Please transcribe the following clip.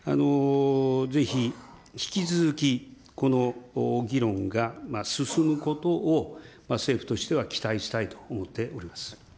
ぜひ引き続き、この議論が進むことを政府としては期待したいと思っております。